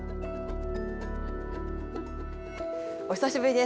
お久しぶりです。